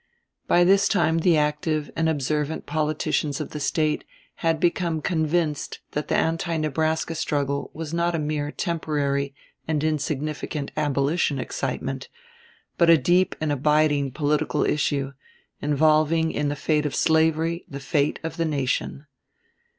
By this time the active and observant politicians of the State had become convinced that the anti Nebraska struggle was not a mere temporary and insignificant "abolition" excitement, but a deep and abiding political issue, involving in the fate of slavery the fate of the nation.